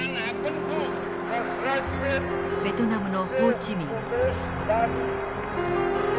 ベトナムのホー・チ・ミン。